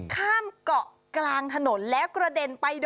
ข้ามเกาะกลางถนนแล้วกระเด็นไป